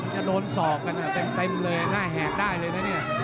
จะโดนศอกกันเต็มเลยหน้าแหกได้เลยนะเนี่ย